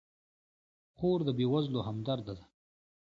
خور د بېوزلو همدرده ده.